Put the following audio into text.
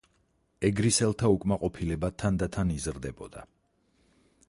ეგრისელთა უკმაყოფილება თანდათან იზრდებოდა.